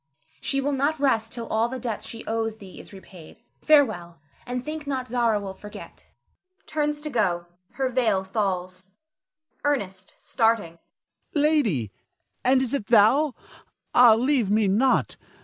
She will not rest till all the debt she owes thee is repaid. Farewell, and think not Zara will forget [turns to go; her veil falls]. Ernest [starting]. Lady! and is it thou? Ah, leave me not!